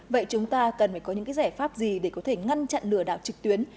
vậy chúng ta cần phải có những giải pháp gì để có thể ngăn chặn lừa đảo trực tuyến